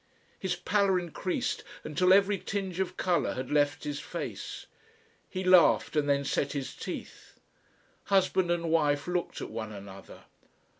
His pallor increased until every tinge of colour had left his face. He laughed and then set his teeth. Husband and wife looked at one another.